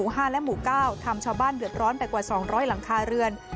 ๕และหมู่๙ทำชาวบ้านเดือดร้อนไปกว่า๒๐๐หลังคาเรือน